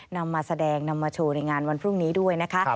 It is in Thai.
นำมาแสดงนำมาโชว์ในงานวันพรุ่งนี้ด้วยนะคะ